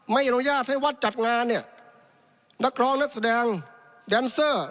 ไม่อนุญาตให้วัดจัดงานเนี่ยนักร้องนักแสดงแดนเซอร์